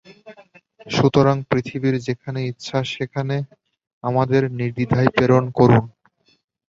সুতরাং পৃথিবীর যেখানে ইচ্ছা সেখানে আমাদের নির্দ্বিধায় প্রেরণ করুন।